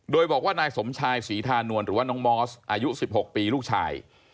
โดยบอกว่านายสมชายศรีธานวลหรือว่าน้องมอสอายุ๑๖ปีลูกชาย